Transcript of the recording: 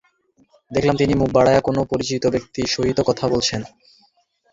দেখিলাম, তিনি মুখ বাড়াইয়া কোন পরিচিত ব্যক্তির সহিত কথা কহিতেছেন।